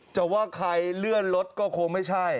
จะว่าใครเลื่อนรถก็คงไม่ใช่